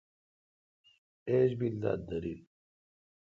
ایج بیل دا دریل۔